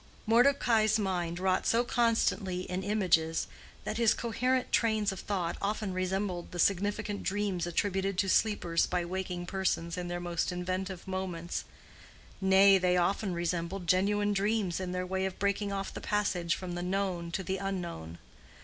Mordecai's mind wrought so constantly in images, that his coherent trains of thought often resembled the significant dreams attributed to sleepers by waking persons in their most inventive moments: nay, they often resembled genuine dreams in their way of breaking off the passage from the known to the unknown.